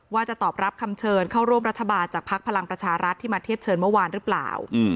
ว่าจะตอบรับคำเชิญเข้าร่วมรัฐบาลจากภักดิ์พลังประชารัฐที่มาเทียบเชิญเมื่อวานหรือเปล่า